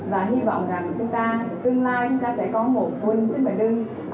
và hy vọng rằng chúng ta tương lai chúng ta sẽ có một quân sinh và đương